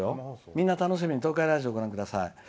みんな楽しみに東海ラジオご覧ください。